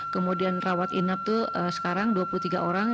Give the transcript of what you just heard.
kemudian rawat inap itu sekarang dua puluh tiga orang